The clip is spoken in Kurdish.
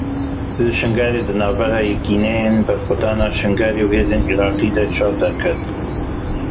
Li Şingalê di navbera Yekîneyên Berxwedana Şingalê û hêzên Iraqê de şer derket.